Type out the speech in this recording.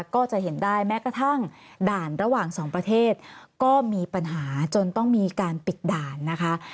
ก็จะเห็นได้แม้กระทั่งด่านระหว่างสองประเทศก็มีปัญหาจนต้องมีการปิดด่านนะคะ